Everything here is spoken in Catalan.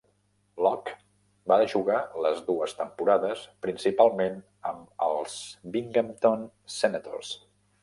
Locke va jugar les dues temporades principalment amb els Binghamton Senators.